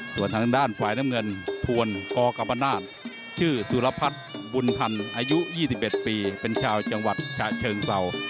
ส่วนทางด้านฝ่ายน้ำเงินทวนกกรรมนาศชื่อสุรพัฒน์บุญพันธ์อายุ๒๑ปีเป็นชาวจังหวัดฉะเชิงเศร้า